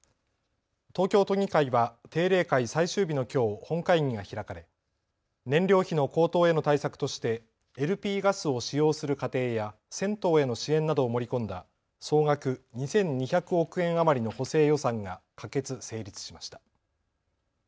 東京都議会は定例会最終日のきょう本会議が開かれ燃料費の高騰への対策としてＬＰガスを使用する家庭や銭湯への支援などを盛り込んだ総額２２００億円余りの補正予算が可決・成立しました。